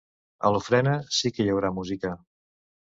A l’ofrena sí que hi haurà música.